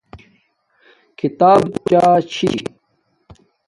کھیاپ بوت چاہ چھی